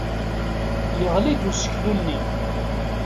Yeɣli-d useklu-nni.